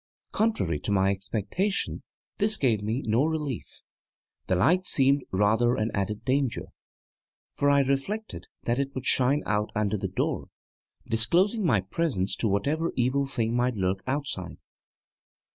Contrary to my expectation this gave me no relief; the light seemed rather an added danger, for I reflected that it would shine out under the door, disclosing my presence to whatever evil thing might lurk outside.